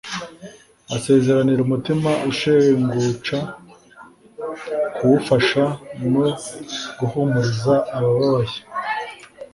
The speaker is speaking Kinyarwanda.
Asezeranira umutima ushenguca kuwufasha no guhumuriza abababaye